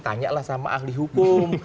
tanyalah sama ahli hukum